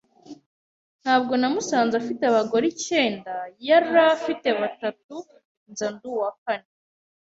Ntabwo namusanze afite abagore icyends yari afite batatu nza ndi uwa kane